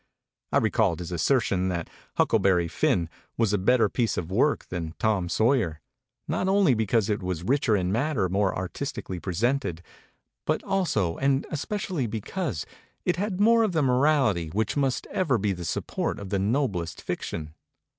I recalled his 267 MEMORIES OF MARK TWAIN assertion that ' Huckleberry Finn' was a better piece of work than 'Tom Sawyer,' not only because it was richer in matter more artistically presented, but also and especially because it had more of the morality which must ever be the support of the noblest fiction.